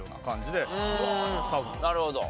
なるほど。